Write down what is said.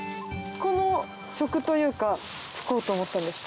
この職というか就こうと思ったんですか？